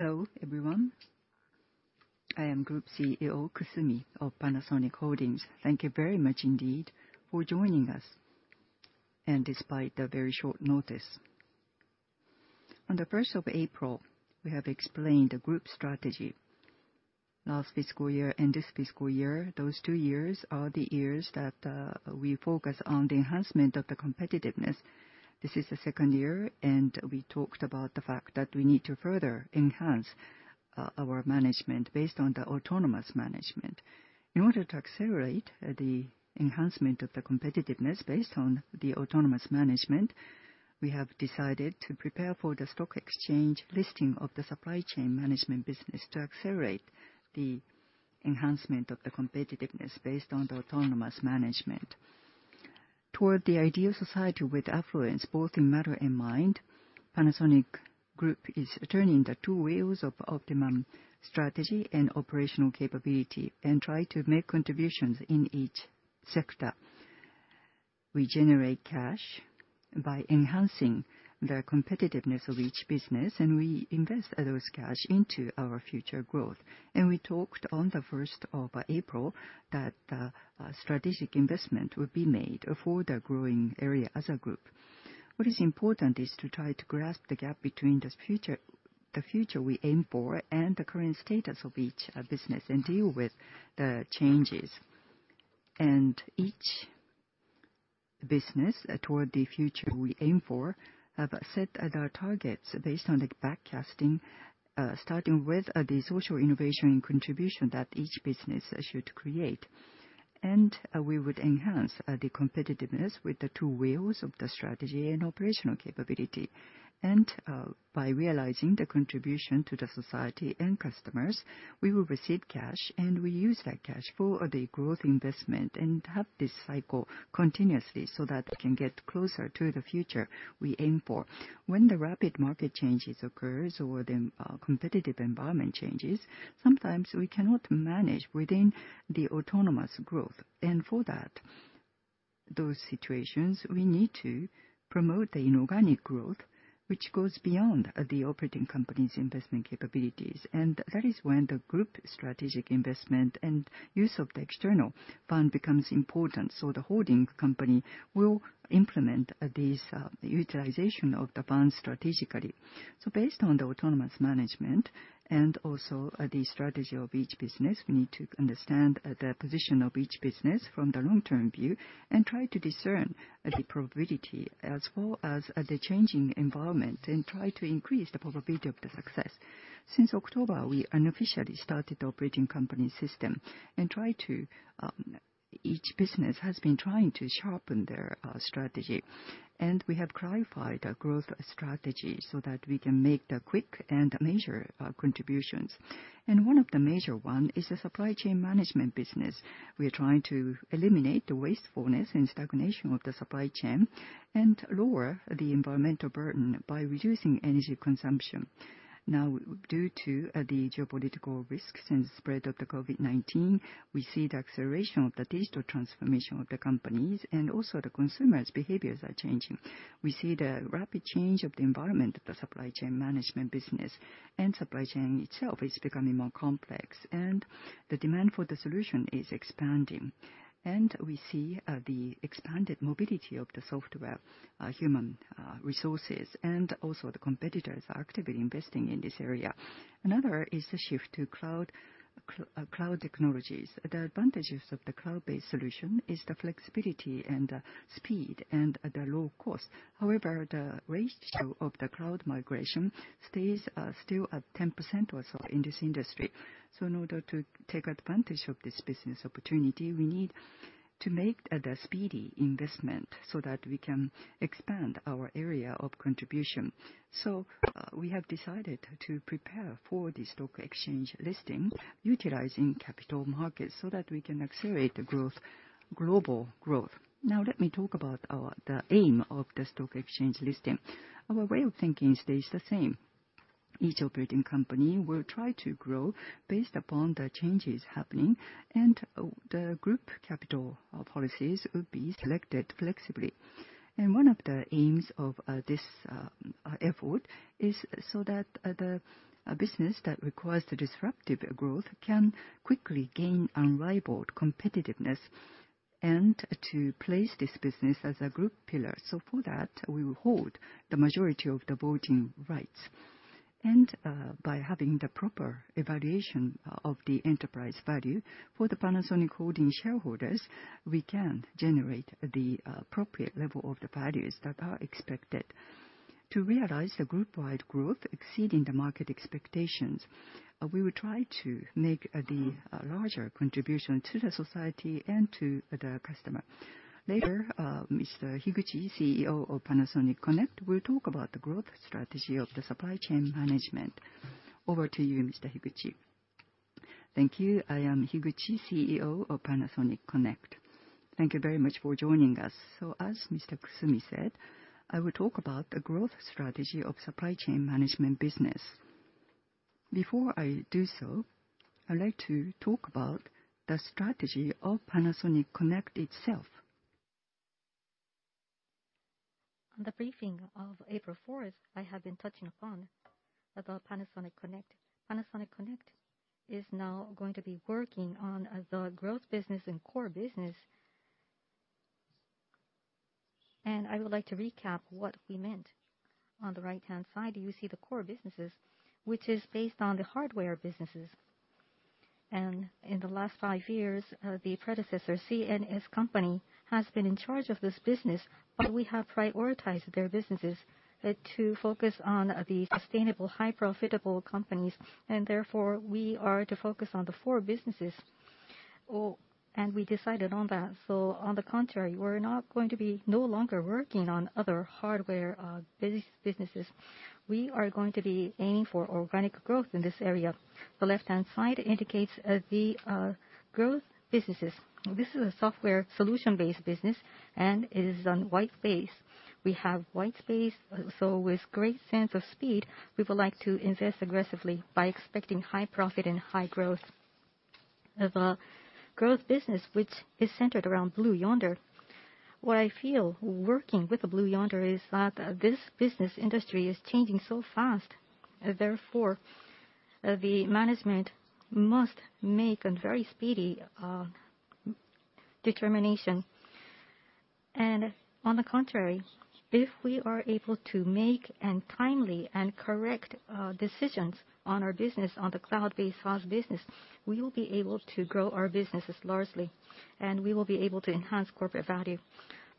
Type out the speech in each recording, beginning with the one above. Hello, everyone. I am Group CEO Kusumi of Panasonic Holdings. Thank you very much indeed for joining us, and despite the very short notice. On the 1st of April, we have explained the group strategy. Last fiscal year and this fiscal year, those two years are the years that we focus on the enhancement of the competitiveness. This is the second year, and we talked about the fact that we need to further enhance our management based on the autonomous management. In order to accelerate the enhancement of the competitiveness based on the autonomous management, we have decided to prepare for the stock exchange listing of the supply chain management business to accelerate the enhancement of the competitiveness based on the autonomous management. Toward the ideal society with affluence, both in matter and mind, Panasonic Group is turning the two wheels of optimum strategy and operational capability and trying to make contributions in each sector. We generate cash by enhancing the competitiveness of each business, and we invest those cash into our future growth. We talked on the 1st of April that strategic investment would be made for the growing area as a group. What is important is to try to grasp the gap between the future we aim for and the current status of each business and deal with the changes. Each business, toward the future we aim for, have set their targets based on the backcasting, starting with the social innovation and contribution that each business should create. We would enhance the competitiveness with the two wheels of the strategy and operational capability. By realizing the contribution to the society and customers, we will receive cash, and we use that cash for the growth investment and have this cycle continuously so that we can get closer to the future we aim for. When the rapid market changes occur or the competitive environment changes, sometimes we cannot manage within the autonomous growth. For those situations, we need to promote the inorganic growth, which goes beyond the operating company's investment capabilities. That is when the group strategic investment and use of the external fund becomes important so the holding company will implement this utilization of the fund strategically. Based on the autonomous management and also the strategy of each business, we need to understand the position of each business from the long-term view and try to discern the probability as well as the changing environment and try to increase the probability of the success. Since October, we unofficially started the operating company system and each business has been trying to sharpen their strategy. We have clarified our growth strategy so that we can make quick and major contributions. One of the major ones is the supply chain management business. We are trying to eliminate the wastefulness and stagnation of the supply chain and lower the environmental burden by reducing energy consumption. Now, due to the geopolitical risks and the spread of COVID-19, we see the acceleration of the digital transformation of the companies, and also the consumers' behaviors are changing. We see the rapid change of the environment of the supply chain management business, and supply chain itself is becoming more complex, and the demand for the solution is expanding. We see the expanded mobility of the software, human resources, and also the competitors are actively investing in this area. Another is the shift to cloud technologies. The advantages of the cloud-based solution are the flexibility and the speed and the low cost. However, the ratio of the cloud migration stays still at 10% or so in this industry. In order to take advantage of this business opportunity, we need to make the speedy investment so that we can expand our area of contribution. We have decided to prepare for the stock exchange listing utilizing capital markets so that we can accelerate the global growth. Now, let me talk about the aim of the stock exchange listing. Our way of thinking stays the same. Each operating company will try to grow based upon the changes happening, and the group capital policies would be selected flexibly. One of the aims of this effort is so that the business that requires disruptive growth can quickly gain unrivaled competitiveness and to place this business as a group pillar. For that, we will hold the majority of the voting rights. By having the proper evaluation of the enterprise value for the Panasonic Holdings shareholders, we can generate the appropriate level of the values that are expected. To realize the group-wide growth exceeding the market expectations, we will try to make the larger contribution to the society and to the customer. Later, Mr. Higuchi, CEO of Panasonic Connect, will talk about the growth strategy of the supply chain management. Over to you, Mr. Higuchi. Thank you. I am Higuchi, CEO of Panasonic Connect. Thank you very much for joining us. As Mr. Kusumi said, I will talk about the growth strategy of the supply chain management business. Before I do so, I'd like to talk about the strategy of Panasonic Connect itself. On the briefing of April 4th, I have been touching upon the Panasonic Connect. Panasonic Connect is now going to be working on the growth business and core business. I would like to recap what we meant. On the right-hand side, you see the core businesses, which is based on the hardware businesses. In the last five years, the predecessor CNS company has been in charge of this business, but we have prioritized their businesses to focus on the sustainable, high-profitable companies. Therefore, we are to focus on the four businesses. We decided on that. On the contrary, we're not going to be no longer working on other hardware businesses. We are going to be aiming for organic growth in this area. The left-hand side indicates the growth businesses. This is a software solution-based business, and it is on white space. We have white space, so with great sense of speed, we would like to invest aggressively by expecting high profit and high growth. The growth business, which is centered around Blue Yonder, what I feel working with the Blue Yonder is that this business industry is changing so fast. Therefore, the management must make a very speedy determination. On the contrary, if we are able to make timely and correct decisions on our business, on the cloud-based SaaS business, we will be able to grow our businesses largely, and we will be able to enhance corporate value.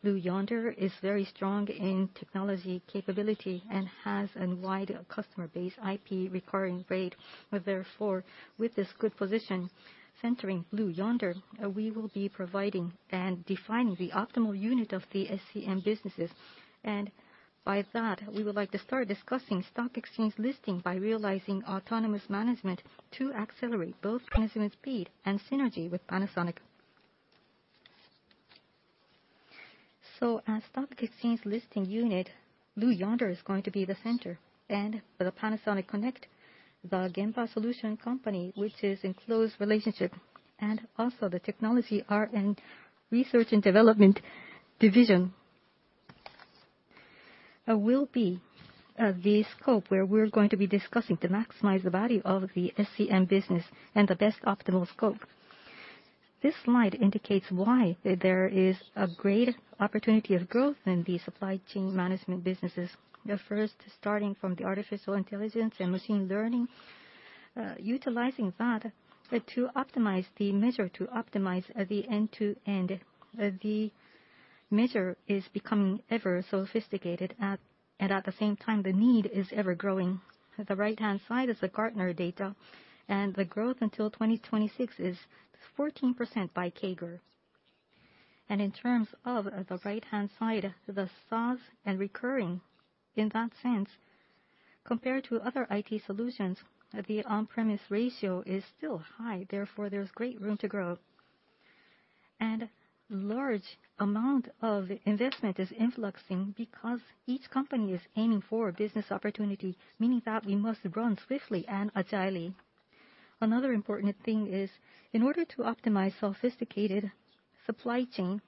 Blue Yonder is very strong in technology capability and has a wide customer base IP requiring rate. Therefore, with this good position, centering Blue Yonder, we will be providing and defining the optimal unit of the SCM businesses. By that, we would like to start discussing stock exchange listing by realizing autonomous management to accelerate both management speed and synergy with Panasonic. As stock exchange listing unit, Blue Yonder is going to be the center. For Panasonic Connect, the Gemba Solution Company, which is in close relationship, and also the technology R&D research and development division, will be the scope where we're going to be discussing to maximize the value of the SCM business and the best optimal scope. This slide indicates why there is a great opportunity of growth in the supply chain management businesses. The first, starting from the artificial intelligence and machine learning, utilizing that to optimize the measure to optimize the end-to-end. The measure is becoming ever sophisticated, and at the same time, the need is ever growing. The right-hand side is the Gartner data, and the growth until 2026 is 14% by CAGR. In terms of the right-hand side, the SaaS and recurring, in that sense, compared to other IT solutions, the on-premise ratio is still high. Therefore, there's great room to grow. A large amount of investment is influxing because each company is aiming for business opportunity, meaning that we must run swiftly and agilely. Another important thing is, in order to optimize sophisticated supply chain,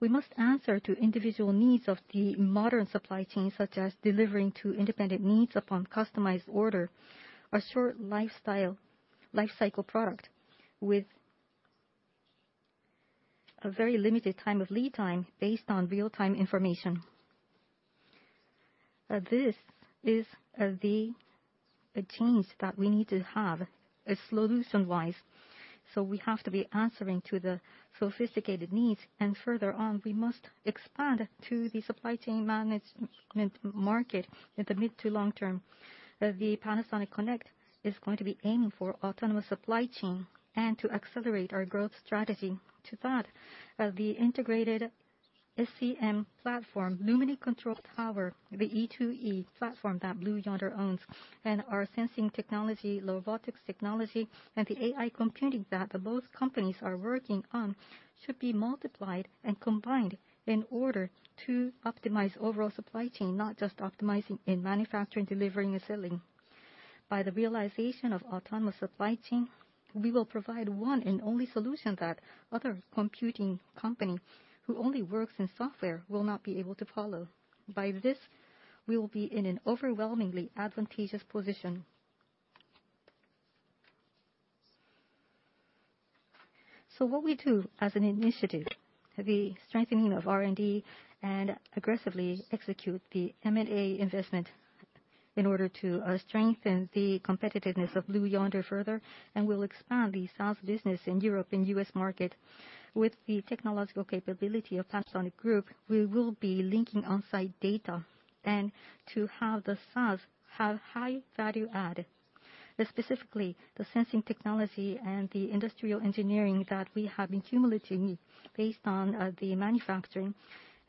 we must answer to individual needs of the modern supply chain, such as delivering to independent needs upon customized order, a short lifecycle product with a very limited time of lead time based on real-time information. This is the change that we need to have solution-wise. We have to be answering to the sophisticated needs. Further on, we must expand to the supply chain management market in the mid to long term. Panasonic Connect is going to be aiming for autonomous supply chain and to accelerate our growth strategy. To that, the integrated SCM platform, Luminate Control Tower, the E2E platform that Blue Yonder owns, and our sensing technology, robotics technology, and the AI computing that both companies are working on should be multiplied and combined in order to optimize overall supply chain, not just optimizing in manufacturing, delivering, and selling. By the realization of autonomous supply chain, we will provide one and only solution that other computing company who only works in software will not be able to follow. By this, we will be in an overwhelmingly advantageous position. What we do as an initiative, the strengthening of R&D and aggressively execute the M&A investment in order to strengthen the competitiveness of Blue Yonder further, and we'll expand the SaaS business in Europe and US market. With the technological capability of Panasonic Group, we will be linking on-site data and to have the SaaS have high value-add, specifically the sensing technology and the industrial engineering that we have been cumulating based on the manufacturing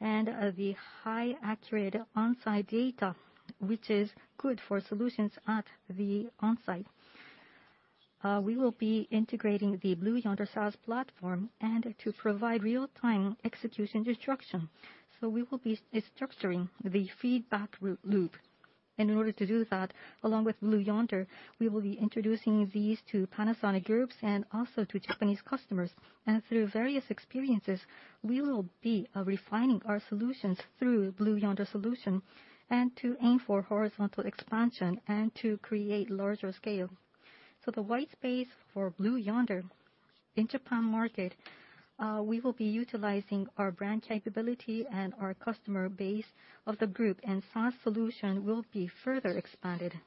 and the high accurate on-site data, which is good for solutions at the on-site. We will be integrating the Blue Yonder SaaS platform and to provide real-time execution instruction. We will be structuring the feedback loop. In order to do that, along with Blue Yonder, we will be introducing these to Panasonic Groups and also to Japanese customers. Through various experiences, we will be refining our solutions through Blue Yonder solution to aim for horizontal expansion and to create larger scale. The white space for Blue Yonder in Japan market, we will be utilizing our brand capability and our customer base of the group, and SaaS solution will be further expanded.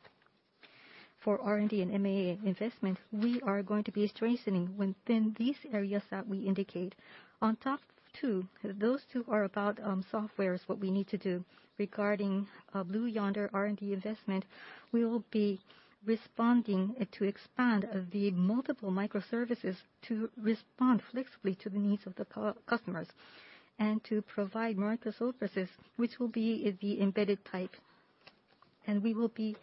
For R&D and M&A investment, we are going to be strengthening within these areas that we indicate. On top of those two, those two are about software, what we need to do regarding Blue Yonder R&D investment. We will be responding to expand the multiple microservices to respond flexibly to the needs of the customers and to provide microservices, which will be the embedded type. We will be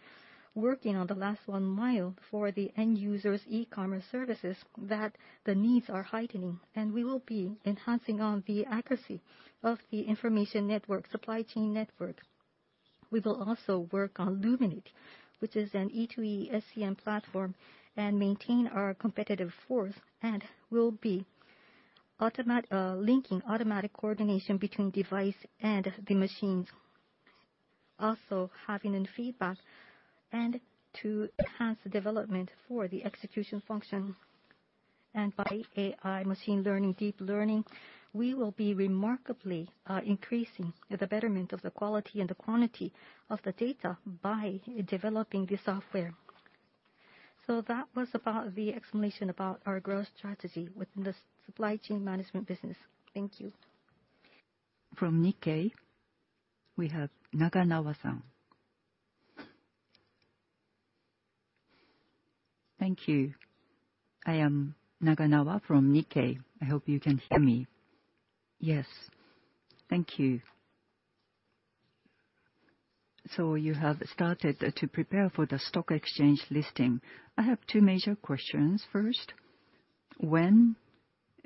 working on the last one mile for the end users' e-commerce services that the needs are heightening. We will be enhancing on the accuracy of the information network, supply chain network. We will also work on Luminate, which is an E2E SCM platform, and maintain our competitive force and will be linking automatic coordination between device and the machines. Also having in feedback and to enhance the development for the execution function and by AI, machine learning, deep learning, we will be remarkably increasing the betterment of the quality and the quantity of the data by developing the software. That was about the explanation about our growth strategy within the supply chain management business. Thank you. From Nikkei, we have Naganawa-san. Thank you. I am Naganawa from Nikkei. I hope you can hear me. Yes. Thank you. You have started to prepare for the stock exchange listing. I have two major questions. First, when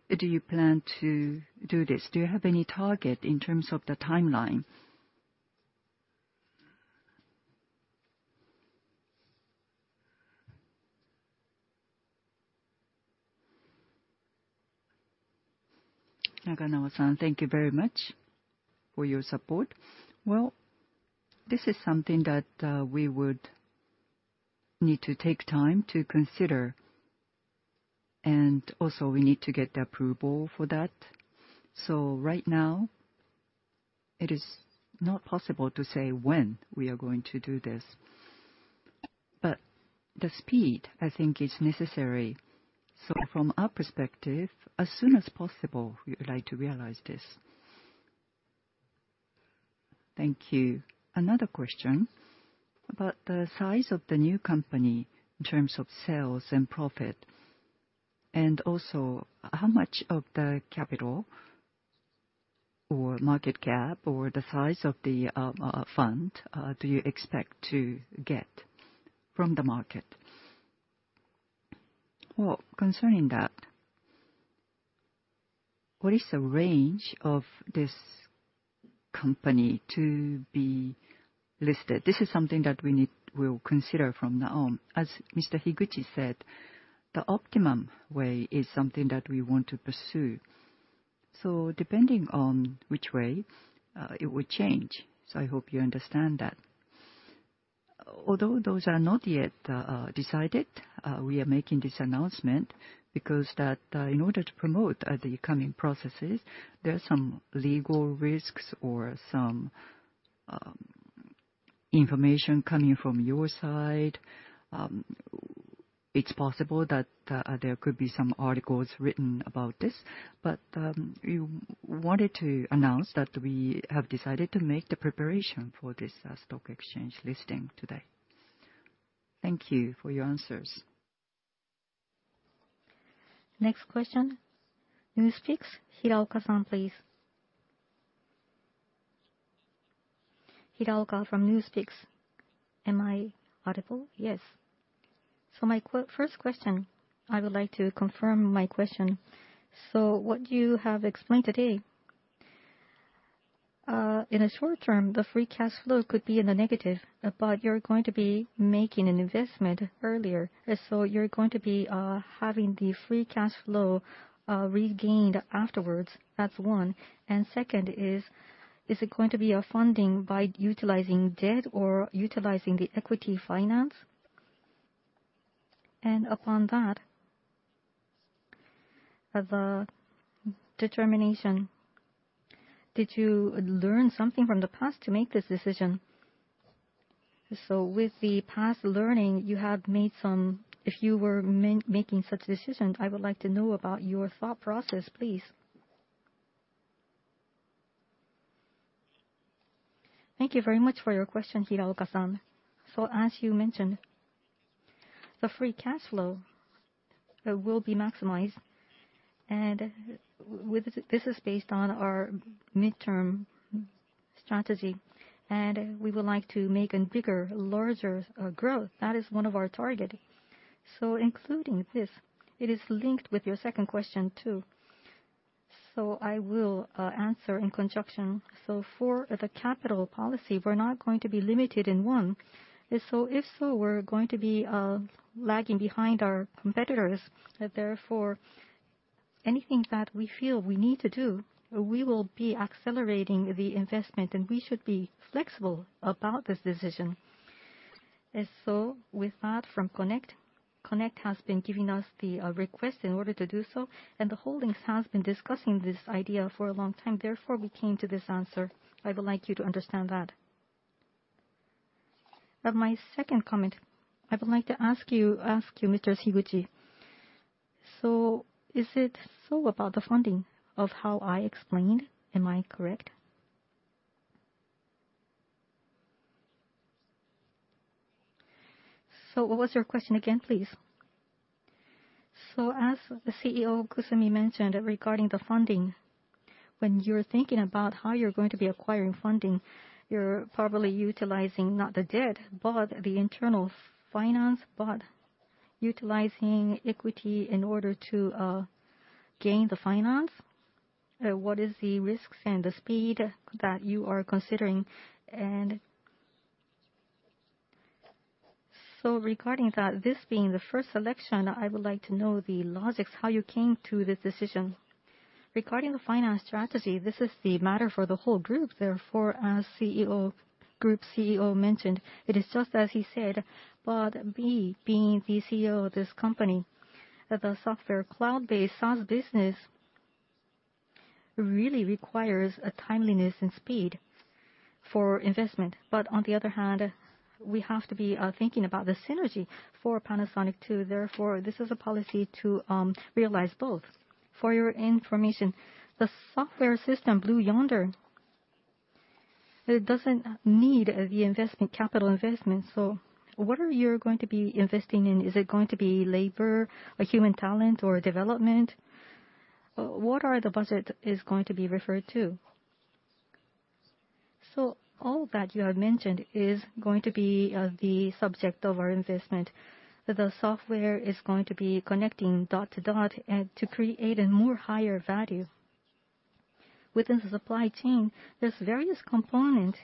do you plan to do this? Do you have any target in terms of the timeline? Naganawa-san, thank you very much for your support. This is something that we would need to take time to consider. Also, we need to get the approval for that. Right now, it is not possible to say when we are going to do this. The speed, I think, is necessary. From our perspective, as soon as possible, we would like to realize this. Thank you. Another question about the size of the new company in terms of sales and profit. Also, how much of the capital or market cap or the size of the fund do you expect to get from the market? Concerning that, what is the range of this company to be listed? This is something that we will consider from now. As Mr. Higuchi said, the optimum way is something that we want to pursue. Depending on which way, it will change. I hope you understand that. Although those are not yet decided, we are making this announcement because in order to promote the coming processes, there are some legal risks or some information coming from your side. It is possible that there could be some articles written about this. We wanted to announce that we have decided to make the preparation for this stock exchange listing today. Thank you for your answers. Next question, Newspeaks, Hirokazu, please. Hirokazu from Newspeak. Am I audible? Yes. My first question, I would like to confirm my question. What you have explained today, in the short term, the free cash flow could be in the negative, but you're going to be making an investment earlier. You're going to be having the free cash flow regained afterwards. That's one. Second is, is it going to be a funding by utilizing debt or utilizing the equity finance? Upon that, the determination, did you learn something from the past to make this decision? With the past learning, you have made some. If you were making such decisions, I would like to know about your thought process, please. Thank you very much for your question, Hirokazu. As you mentioned, the free cash flow will be maximized. This is based on our midterm strategy. We would like to make a bigger, larger growth. That is one of our targets. Including this, it is linked with your second question too. I will answer in conjunction. For the capital policy, we are not going to be limited in one. If so, we are going to be lagging behind our competitors. Therefore, anything that we feel we need to do, we will be accelerating the investment, and we should be flexible about this decision. With that from Connect, Connect has been giving us the request in order to do so. The holdings has been discussing this idea for a long time. Therefore, we came to this answer. I would like you to understand that. My second comment, I would like to ask you, Mr. Higuchi, is it about the funding as I explained? Am I correct? What was your question again, please? As CEO Kusumi mentioned regarding the funding, when you are thinking about how you are going to be acquiring funding, you are probably utilizing not the debt, but the internal finance, but utilizing equity in order to gain the finance. What are the risks and the speed that you are considering? Regarding that, this being the first selection, I would like to know the logics, how you came to this decision. Regarding the finance strategy, this is the matter for the whole group. Therefore, as Group CEO mentioned, it is just as he said, but me being the CEO of this company, the software cloud-based SaaS business really requires timeliness and speed for investment. On the other hand, we have to be thinking about the synergy for Panasonic too. Therefore, this is a policy to realize both. For your information, the software system, Blue Yonder, it does not need the investment, capital investment. What are you going to be investing in? Is it going to be labor, human talent, or development? What are the budget is going to be referred to? All that you have mentioned is going to be the subject of our investment. The software is going to be connecting dot to dot to create a more higher value. Within the supply chain, there are various components.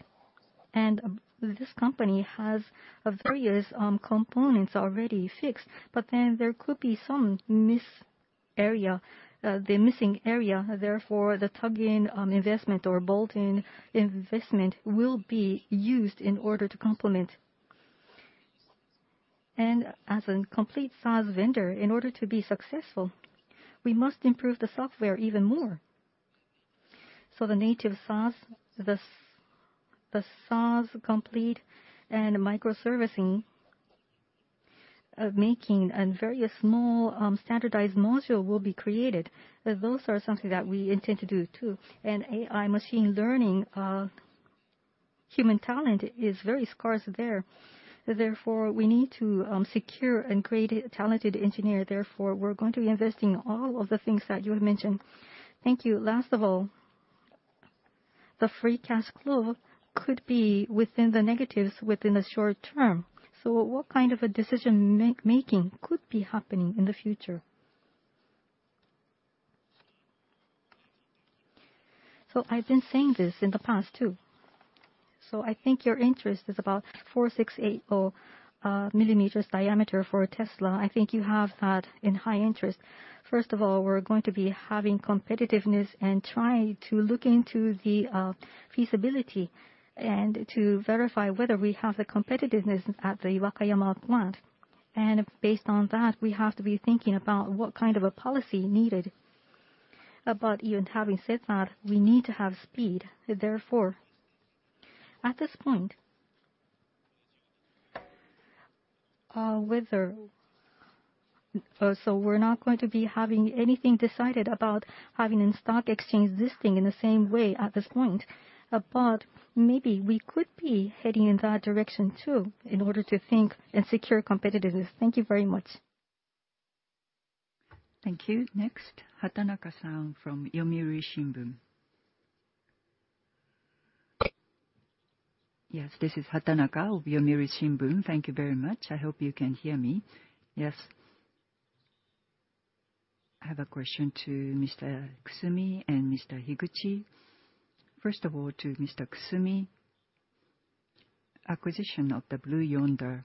This company has various components already fixed. There could be some missing area. Therefore, the tug-in investment or bolt-in investment will be used in order to complement. As a complete SaaS vendor, in order to be successful, we must improve the software even more. The native SaaS, the SaaS complete, and microservicing making and various small standardized modules will be created. Those are something that we intend to do too. AI, machine learning, human talent is very scarce there. Therefore, we need to secure and create talented engineers. Therefore, we are going to be investing in all of the things that you have mentioned. Thank you. Last of all, the free cash flow could be within the negatives within the short term. What kind of a decision-making could be happening in the future? I have been saying this in the past too. I think your interest is about 468 millimeters diameter for Tesla. I think you have that in high interest. First of all, we're going to be having competitiveness and trying to look into the feasibility and to verify whether we have the competitiveness at the Wakayama plant. Based on that, we have to be thinking about what kind of a policy needed. Even having said that, we need to have speed. Therefore, at this point, we're not going to be having anything decided about having in stock exchange listing in the same way at this point. Maybe we could be heading in that direction too in order to think and secure competitiveness. Thank you very much. Thank you. Next, Hatanaka-san from Yomiuri Shimbun. Yes, this is Hatanaka of Yomiuri Shimbun. Thank you very much. I hope you can hear me. Yes. I have a question to Mr. Kusumi and Mr. Higuchi. First of all, to Mr. Kusumi, acquisition of the Blue Yonder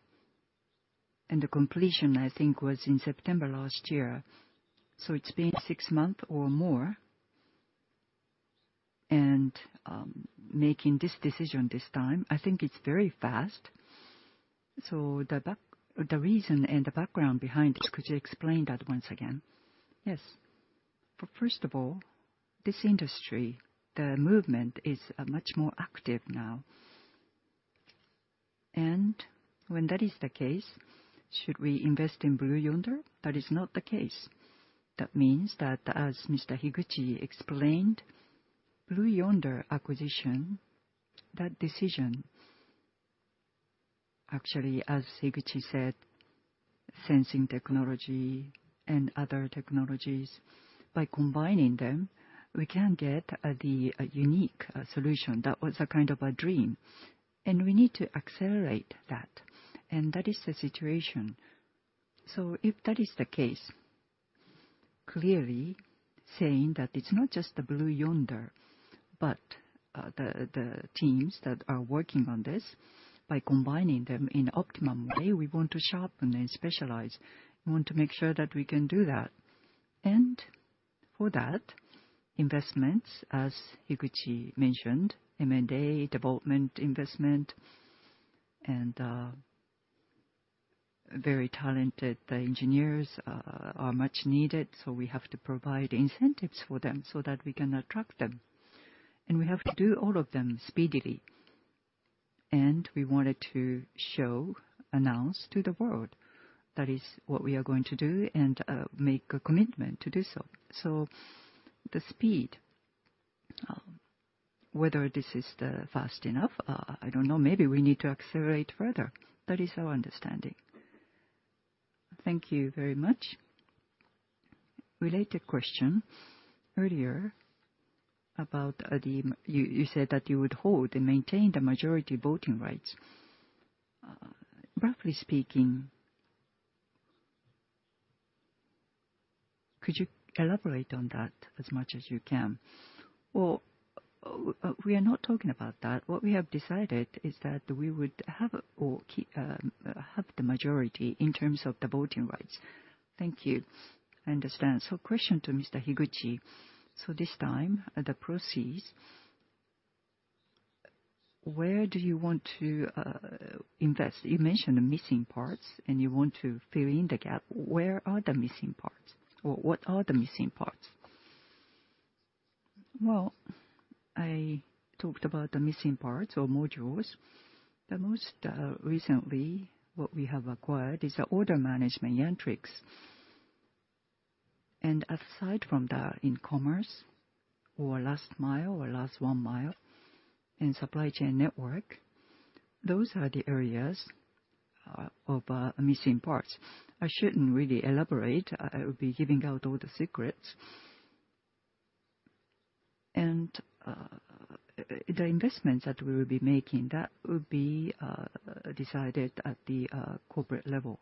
and the completion, I think, was in September last year. It has been six months or more. Making this decision this time, I think it is very fast. The reason and the background behind this, could you explain that once again? Yes. First of all, this industry, the movement is much more active now. When that is the case, should we invest in Blue Yonder? That is not the case. That means that, as Mr. Higuchi explained, Blue Yonder acquisition, that decision, actually, as Higuchi said, sensing technology and other technologies, by combining them, we can get the unique solution. That was a kind of a dream. We need to accelerate that. That is the situation. If that is the case, clearly saying that it's not just the Blue Yonder, but the teams that are working on this, by combining them in optimum way, we want to sharpen and specialize. We want to make sure that we can do that. For that, investments, as Higuchi mentioned, M&A, development investment, and very talented engineers are much needed. We have to provide incentives for them so that we can attract them. We have to do all of them speedily. We wanted to show, announce to the world that is what we are going to do and make a commitment to do so. The speed, whether this is fast enough, I don't know. Maybe we need to accelerate further. That is our understanding. Thank you very much. Related question earlier about you said that you would hold and maintain the majority voting rights. Roughly speaking, could you elaborate on that as much as you can? We are not talking about that. What we have decided is that we would have the majority in terms of the voting rights. Thank you. I understand. Question to Mr. Higuchi. This time, the proceeds, where do you want to invest? You mentioned the missing parts, and you want to fill in the gap. Where are the missing parts? Or what are the missing parts? I talked about the missing parts or modules. Most recently, what we have acquired is the order management metrics. Aside from that, in commerce, or last mile or last one mile, and supply chain network, those are the areas of missing parts. I should not really elaborate. I would be giving out all the secrets. The investments that we will be making, that will be decided at the corporate level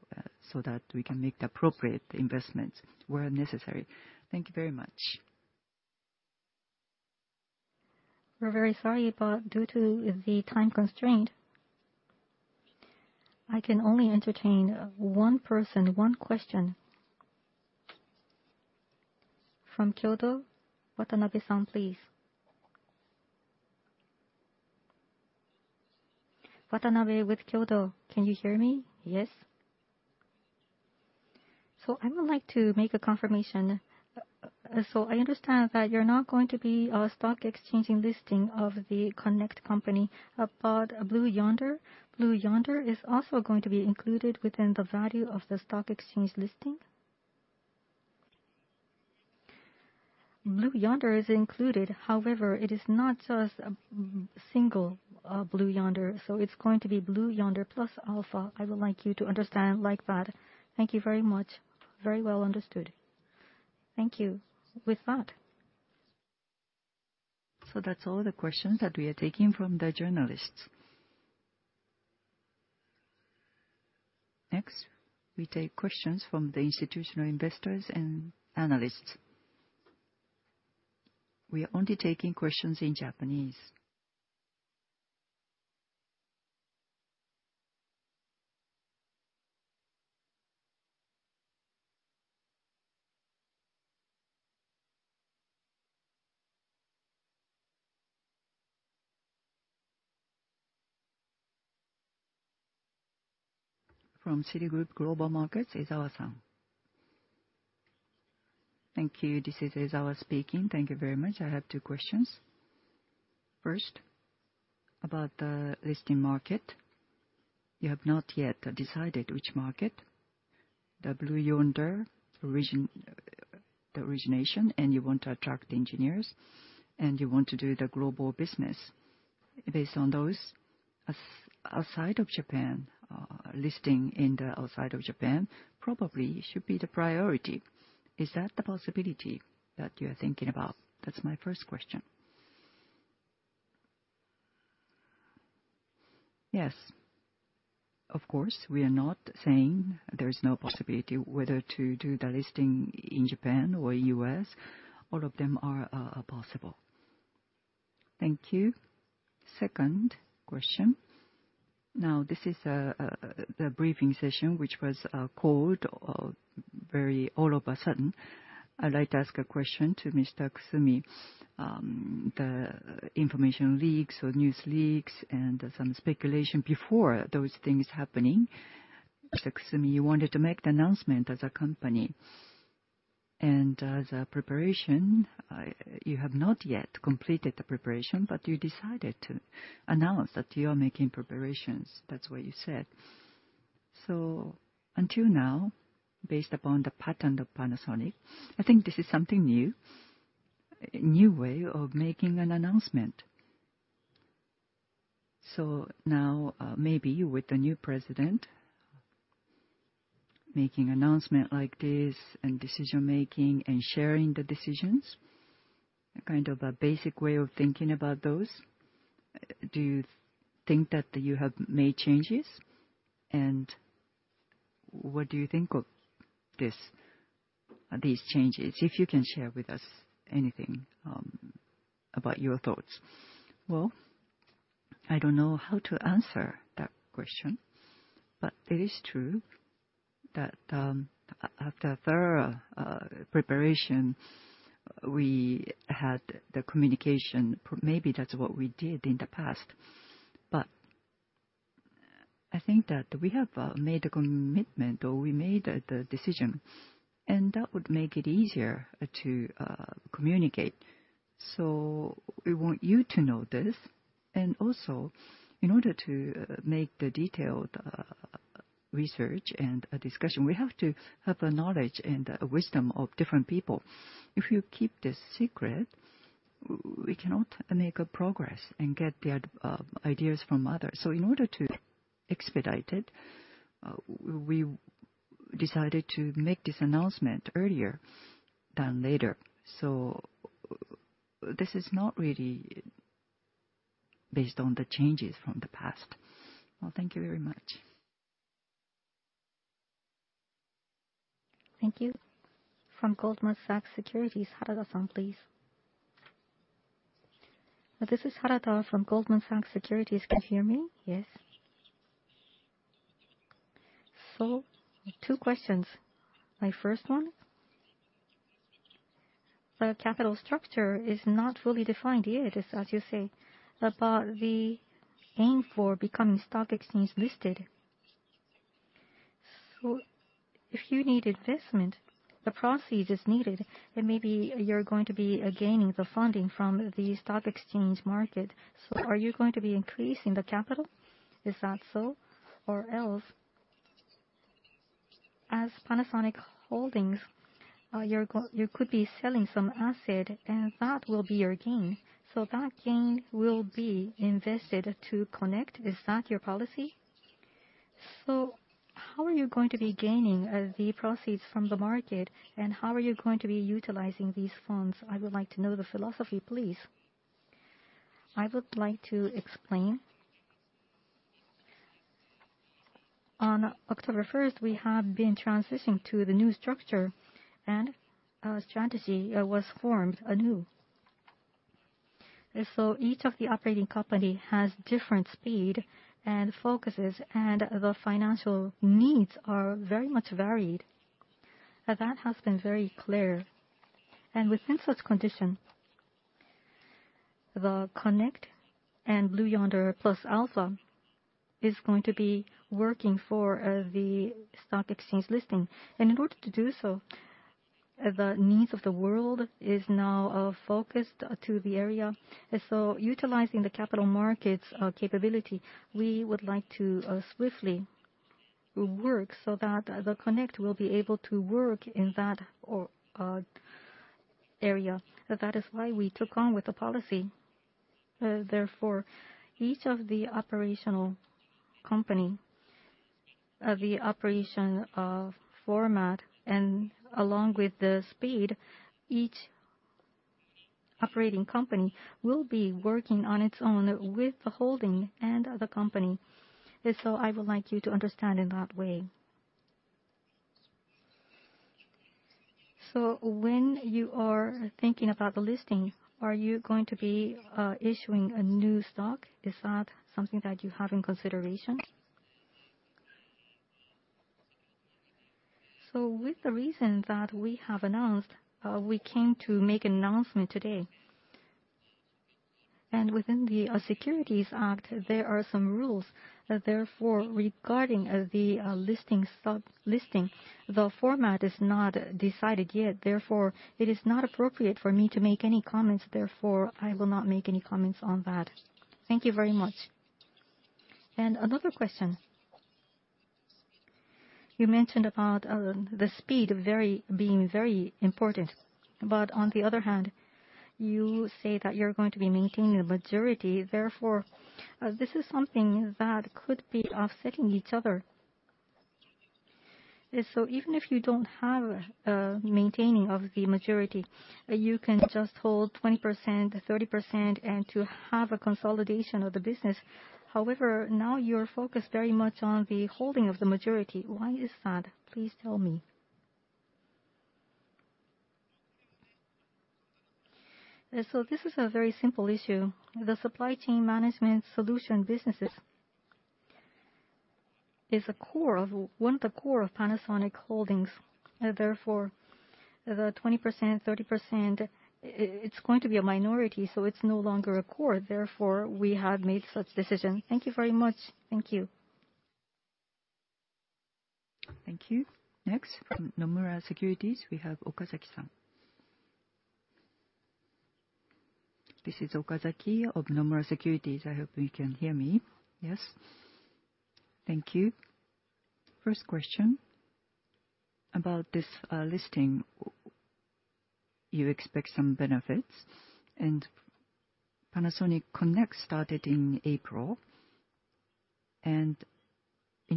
so that we can make the appropriate investments where necessary. Thank you very much. We're very sorry, but due to the time constraint, I can only entertain one person, one question. From Kyoto, Watanabe-san, please. Watanabe with Kyoto, can you hear me? Yes. I would like to make a confirmation. I understand that you're not going to be stock exchanging listing of the Connect Company, but Blue Yonder is also going to be included within the value of the stock exchange listing? Blue Yonder is included. However, it is not just a single Blue Yonder. It is going to be Blue Yonder plus Alpha. I would like you to understand like that. Thank you very much. Very well understood. Thank you. With that. That's all the questions that we are taking from the journalists. Next, we take questions from the institutional investors and analysts. We are only taking questions in Japanese. From Citigroup Global Markets, Ezawa-san. Thank you. This is Ezawa speaking. Thank you very much. I have two questions. First, about the listing market. You have not yet decided which market, the Blue Yonder, the origination, and you want to attract engineers, and you want to do the global business. Based on those, outside of Japan, listing in the outside of Japan probably should be the priority. Is that the possibility that you are thinking about? That's my first question. Yes. Of course, we are not saying there is no possibility whether to do the listing in Japan or US. All of them are possible. Thank you. Second question. Now, this is the briefing session, which was called very all of a sudden. I'd like to ask a question to Mr. Kusumi. The information leaks or news leaks and some speculation before those things happening. Mr. Kusumi, you wanted to make the announcement as a company. And as a preparation, you have not yet completed the preparation, but you decided to announce that you are making preparations. That's what you said. Until now, based upon the pattern of Panasonic, I think this is something new, a new way of making an announcement. Now, maybe with the new president, making announcement like this and decision-making and sharing the decisions, kind of a basic way of thinking about those. Do you think that you have made changes? What do you think of these changes? If you can share with us anything about your thoughts. I don't know how to answer that question, but it is true that after thorough preparation, we had the communication. Maybe that's what we did in the past. I think that we have made a commitment or we made the decision, and that would make it easier to communicate. We want you to know this. Also, in order to make the detailed research and discussion, we have to have the knowledge and the wisdom of different people. If you keep this secret, we cannot make progress and get the ideas from others. In order to expedite it, we decided to make this announcement earlier than later. This is not really based on the changes from the past. Thank you very much. Thank you. From Goldman Sachs Securities, Harada-san, please. This is Harada from Goldman Sachs Securities. Can you hear me? Yes. Two questions. My first one, the capital structure is not fully defined yet, as you say, but the aim for becoming stock exchange listed. If you need investment, the proceeds are needed, and maybe you are going to be gaining the funding from the stock exchange market. Are you going to be increasing the capital? Is that so? Else, as Panasonic Holdings, you could be selling some asset, and that will be your gain. That gain will be invested to Connect. Is that your policy? How are you going to be gaining the proceeds from the market, and how are you going to be utilizing these funds? I would like to know the philosophy, please. I would like to explain. On October 1st, we have been transitioning to the new structure, and a strategy was formed anew. Each of the operating companies has different speed and focuses, and the financial needs are very much varied. That has been very clear. Within such condition, the Connect and Blue Yonder plus Alpha is going to be working for the stock exchange listing. In order to do so, the needs of the world are now focused to the area. Utilizing the capital markets capability, we would like to swiftly work so that the Connect will be able to work in that area. That is why we took on with the policy. Therefore, each of the operational companies, the operation format, and along with the speed, each operating company will be working on its own with the holding and the company. I would like you to understand in that way. When you are thinking about the listing, are you going to be issuing a new stock? Is that something that you have in consideration? With the reason that we have announced, we came to make an announcement today. Within the Securities Act, there are some rules. Therefore, regarding the listing, the format is not decided yet. Therefore, it is not appropriate for me to make any comments. I will not make any comments on that. Thank you very much. Another question. You mentioned about the speed being very important, but on the other hand, you say that you're going to be maintaining the majority. Therefore, this is something that could be offsetting each other. Even if you do not have maintaining of the majority, you can just hold 20%, 30%, and to have a consolidation of the business. However, now you are focused very much on the holding of the majority. Why is that? Please tell me. This is a very simple issue. The supply chain management solution businesses is one of the core of Panasonic Holdings. Therefore, the 20%, 30%, it is going to be a minority, so it is no longer a core. Therefore, we have made such decision. Thank you very much. Thank you. Thank you. Next, from Nomura Securities, we have Okazaki-san. This is Okazaki of Nomura Securities. I hope you can hear me. Yes? Thank you. First question about this listing, you expect some benefits. Panasonic Connect started in April. In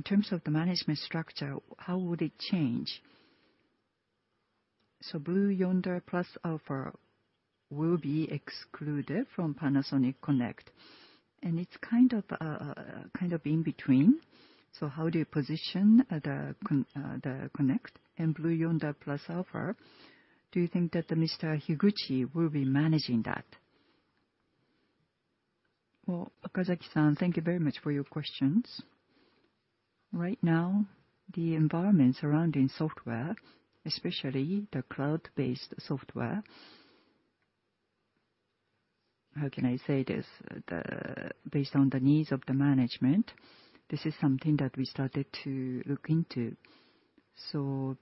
terms of the management structure, how would it change? Blue Yonder plus Alpha will be excluded from Panasonic Connect. It is kind of in between. How do you position the Connect and Blue Yonder plus Alpha? Do you think that Mr. Higuchi will be managing that? Okazaki-san, thank you very much for your questions. Right now, the environment surrounding software, especially the cloud-based software, how can I say this? Based on the needs of the management, this is something that we started to look into.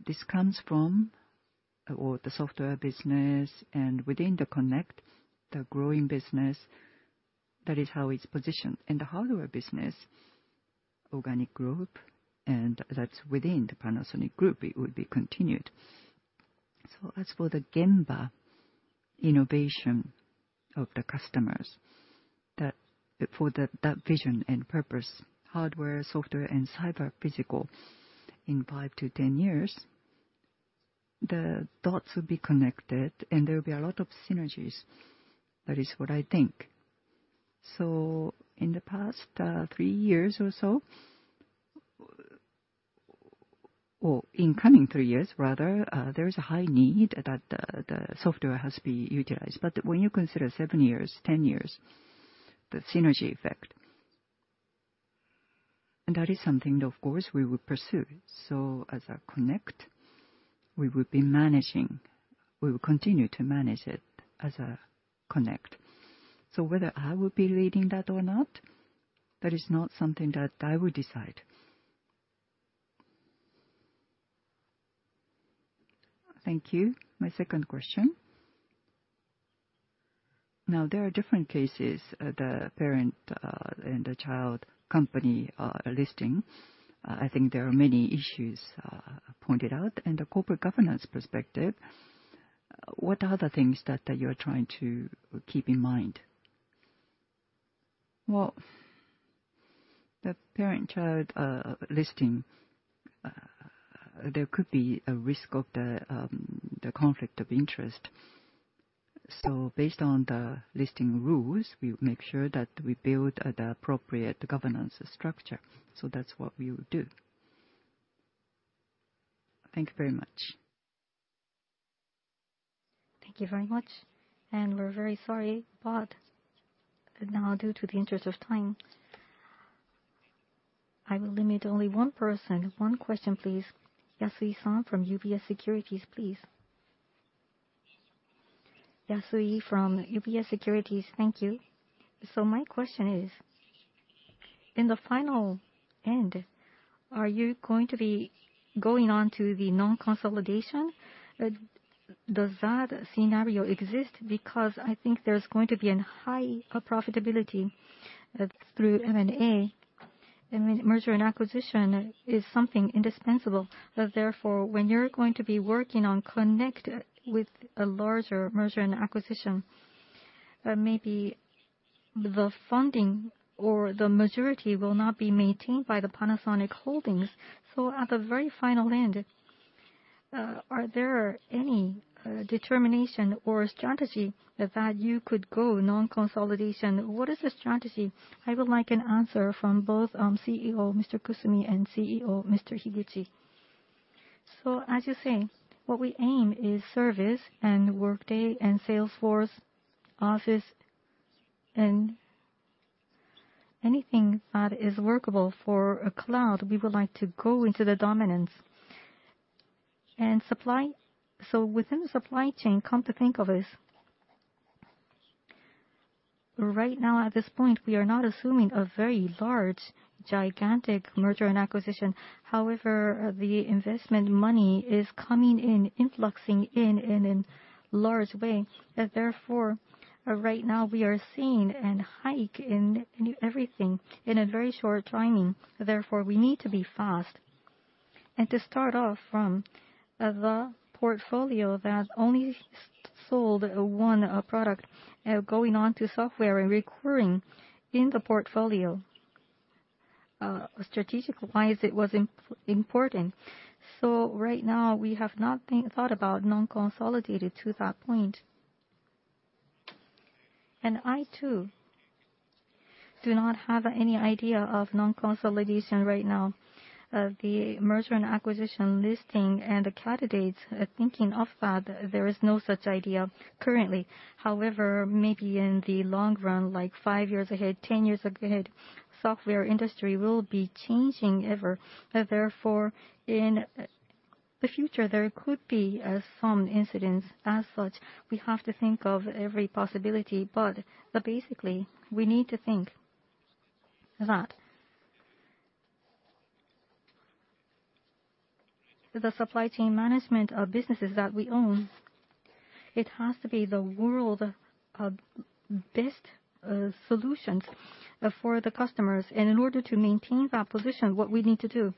This comes from the software business and within the Connect, the growing business. That is how it is positioned. The hardware business, Organic Group, and that is within the Panasonic Group, it will be continued. As for the Gemba innovation of the customers, for that vision and purpose, hardware, software, and cyber physical in five to ten years, the dots will be connected, and there will be a lot of synergies. That is what I think. In the past three years or so, or in coming three years, rather, there is a high need that the software has to be utilized. When you consider seven years, ten years, the synergy effect, and that is something that, of course, we will pursue. As a Connect, we will be managing. We will continue to manage it as a Connect. Whether I will be leading that or not, that is not something that I will decide. Thank you. My second question. Now, there are different cases, the parent and the child company listing. I think there are many issues pointed out. From the corporate governance perspective, what are the things that you're trying to keep in mind? The parent-child listing, there could be a risk of the conflict of interest. Based on the listing rules, we make sure that we build the appropriate governance structure. That's what we will do. Thank you very much. Thank you very much. We're very sorry, but now, due to the interest of time, I will limit only one person. One question, please. Yasui-san from UBS Securities, please. Yasui from UBS Securities, thank you. My question is, in the final end, are you going to be going on to the non-consolidation? Does that scenario exist? because I think there's going to be a high profitability through M&A. Merger and acquisition is something indispensable. Therefore, when you're going to be working on Connect with a larger merger and acquisition, maybe the funding or the majority will not be maintained by Panasonic Holdings. At the very final end, are there any determination or strategy that you could go non-consolidation? What is the strategy? I would like an answer from both CEO, Mr. Kusumi, and CEO, Mr. Higuchi. As you say, what we aim is service and Workday and Salesforce, Office, and anything that is workable for a cloud. We would like to go into the dominance. In supply, within the supply chain, come to think of it, right now, at this point, we are not assuming a very large, gigantic merger and acquisition. However, the investment money is coming in, influxing in, in a large way. Therefore, right now, we are seeing a hike in everything in a very short timing. Therefore, we need to be fast. To start off from the portfolio that only sold one product, going on to software and recurring in the portfolio, strategic-wise, it was important. Right now, we have not thought about non-consolidated to that point. I, too, do not have any idea of non-consolidation right now. The merger and acquisition listing and the candidates, thinking of that, there is no such idea currently. However, maybe in the long run, like five years ahead, ten years ahead, software industry will be changing ever. Therefore, in the future, there could be some incidents. As such, we have to think of every possibility. Basically, we need to think that the supply chain management of businesses that we own, it has to be the world's best solutions for the customers. In order to maintain that position, what we need to do,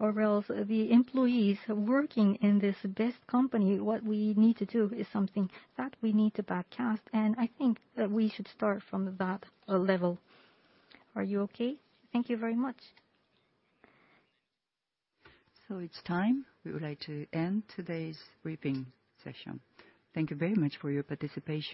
or else the employees working in this best company, what we need to do is something that we need to backcast. I think we should start from that level. Are you okay? Thank you very much. It is time. We would like to end today's briefing session. Thank you very much for your participation.